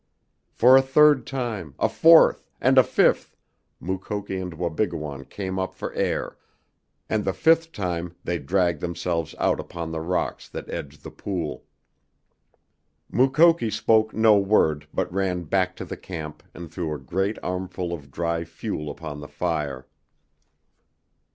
For a third time, a fourth, and a fifth Mukoki and Wabigoon came up for air, and the fifth time they dragged themselves out upon the rocks that edged the pool. Mukoki spoke no word but ran back to the camp and threw a great armful of dry fuel upon the fire.